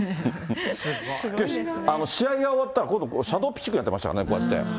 すごい。試合が終わったら、今度シャドーピッチングやってましたからね、こうやって。